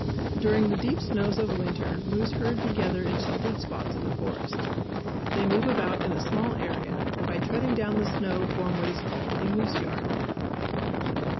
During the deep snows of winter moose herd together in sheltered spots in the forest. They move about in a small area and by treading down the snow form what is called a "moose yard."